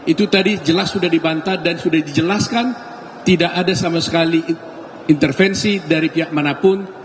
itu tadi jelas sudah dibantah dan sudah dijelaskan tidak ada sama sekali intervensi dari pihak manapun